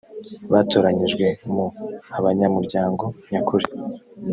batoranyijwe mu abanyamuryango nyakuri